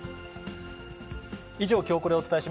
以上、きょうコレをお伝えし